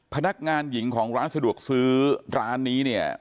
พนักงานหญิงของร้านสะดวกซื้อร้านนี้เนี่ย